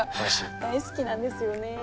大好きなんですよね。